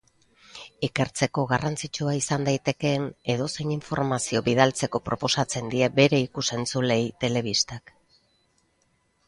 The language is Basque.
Ikertzeko garrantzitsua izan daitekeen edozein informazio bidaltzeko proposatzen die bere ikus-entzuleei telebistak.